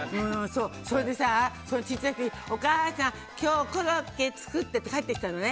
それで、小さい時に、お母さん今日コロッケ作ってって帰ってきたのね。